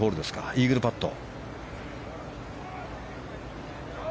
イーグルパット。